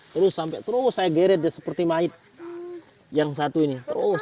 terus sampai terus saya geret seperti mait yang satu ini terus